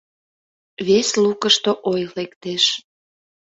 Вес лукышто ой лектеш.